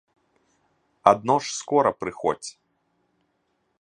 Адно ж скора прыходзь.